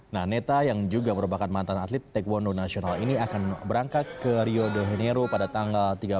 nah neta yang juga merupakan mantan atlet taekwondo nasional ini akan berangkat ke rio denero pada tanggal tiga belas